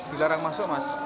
dilarang masuk mas